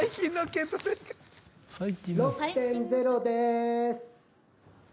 ６．０です。